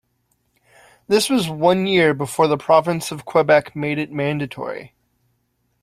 This was one year before the province of Quebec made it mandatory.